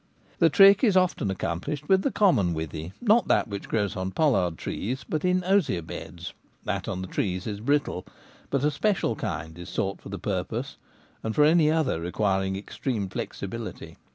This trick is often accomplished with the common withy — not that which grows on pollard trees, but in osier beds ; that on the trees is brittle. But a special kind is sought for the purpose, and for any other re quiring extreme flexibility.